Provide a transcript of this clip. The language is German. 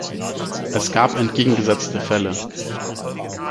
Es gab entgegengesetzte Fälle.